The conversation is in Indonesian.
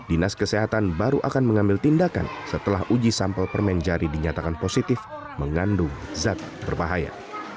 dinas kesehatan baru akan mengambil tindakan setelah uji sampel permen jari dinyatakan positif mengandung zat berbahaya